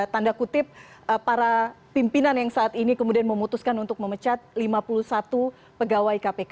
tanda kutip para pimpinan yang saat ini kemudian memutuskan untuk memecat lima puluh satu pegawai kpk